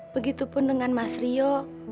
begitu pun dengan mas rio